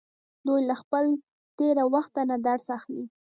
دوی له خپل تیره وخت نه درس اخلي.